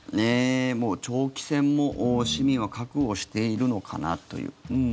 もう長期戦も、市民は覚悟しているのかなという。